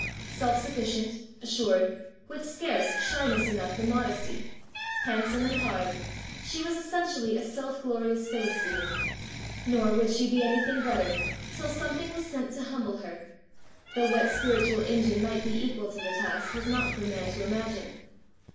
Self sufficient, assured, with scarce shyness enough for modesty, handsome and hard, she was essentially a self glorious Philistine; nor would she be anything better till something was sent to humble her, though what spiritual engine might be equal to the task was not for man to imagine.